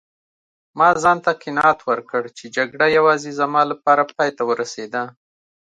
ما ځانته قناعت ورکړ چي جګړه یوازې زما لپاره پایته ورسیده.